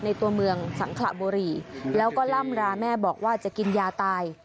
ตัวเมืองสังขระบุรีแล้วก็ล่ำราแม่บอกว่าจะกินยาตาย